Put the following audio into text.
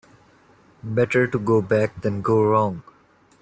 Better to go back than go wrong.